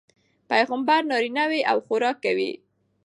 پيغمبر نارينه وي او خوراک کوي